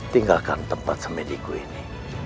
tinggalkan tempat semediku ini